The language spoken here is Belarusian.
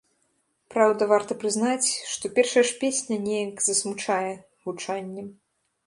Праўда, варта прызнаць, што першая ж песня неяк засмучае гучаннем.